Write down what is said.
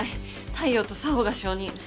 太陽と佐帆が証人。